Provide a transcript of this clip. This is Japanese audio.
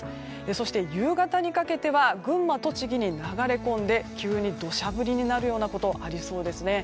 そして夕方にかけては群馬、栃木に流れ込んで急に土砂降りになることありそうですね。